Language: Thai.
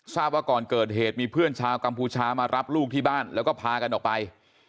ทราบว่าก่อนเกิดเหตุมีเพื่อนชาวกัมพูชามารับลูกที่บ้านแล้วก็พากันออกไป